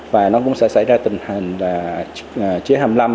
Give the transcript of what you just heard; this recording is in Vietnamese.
và nó cũng sẽ xảy ra tình hình là chế hầm lâm